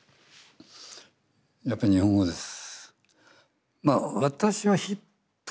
やっぱり日本語です。